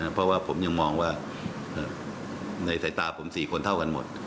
เพราะว่าผมยังมองว่าในสายตาผม๔คนเท่ากันหมด